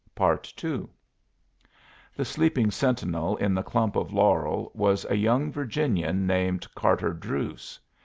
II The sleeping sentinel in the clump of laurel was a young Virginian named Carter Druse.